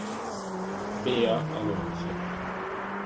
Bea Alonzo